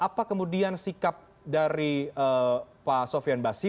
maka kita sudah langsung mau spesifikasi